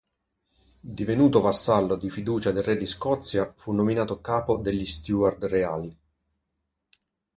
Divenuto vassallo di fiducia del re di Scozia, fu nominato capo degli steward reali.